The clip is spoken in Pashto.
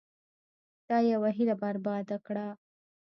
تا یوه هیله برباد کړه.